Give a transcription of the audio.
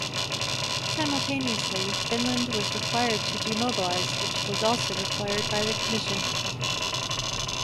Simultaneously, Finland was required to demobilize, which was also required by the commission.